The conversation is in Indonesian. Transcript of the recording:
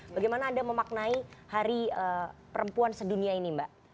bagaimana anda memaknai hari perempuan sedunia ini mbak